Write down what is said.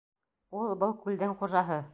Ул — был күлдең хужаһы.